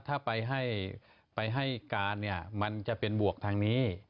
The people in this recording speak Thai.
ถ้าไปให้การมันจะเป็นบวบทางนี้